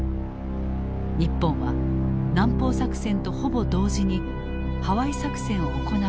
日本は南方作戦とほぼ同時にハワイ作戦を行う決断をした。